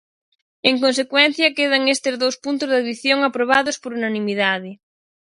En consecuencia, quedan estes dous puntos de adición aprobados por unanimidade.